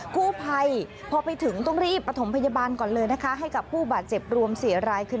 กู้ภัยพอไปถึงต้องรีบประถมพยาบาลก่อนเลยนะคะให้กับผู้บาดเจ็บรวม๔รายคือ